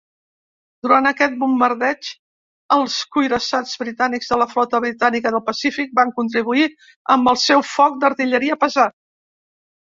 Durant aquest bombardeig, els cuirassats britànics de la Flota Britànica del Pacífic van contribuir amb el seu foc d'artilleria pesat.